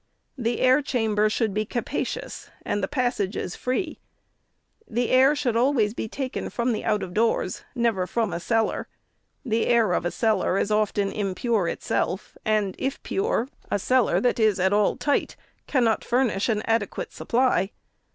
The air chamber should be capacious, and the passages free. The air should always be taken from out of doors, and never from a cellar. The air of a cellar is often impure itself, and, if pure, a cellar that is at all tight cannot furnish an adequate supply.